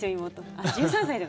あっ、１３歳だ。